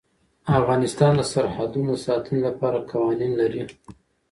افغانستان د سرحدونه د ساتنې لپاره قوانین لري.